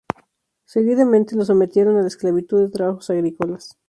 Seguidamente los sometieron a la esclavitud de trabajos agrícolas.